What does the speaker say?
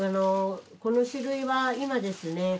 この種類は今ですね。